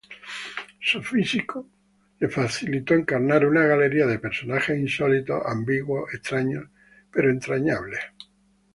Su físico le facilitó encarnar una galería de personajes insólitos, ambiguos, extraños pero entrañables.